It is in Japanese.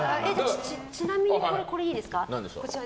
ちなみに、これいいですか。